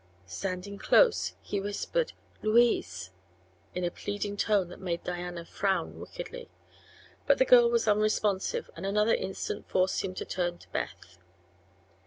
Standing close he whispered "Louise!" in a pleading tone that made Diana frown wickedly. But the girl was unresponsive and another instant forced him to turn to Beth.